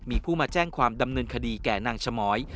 มีผู้มาแจ้งความดำเนินคดีแก่นางสมอย